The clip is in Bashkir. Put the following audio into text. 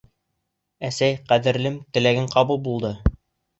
Әсәй, ҡәҙерлем, теләгең ҡабул булды.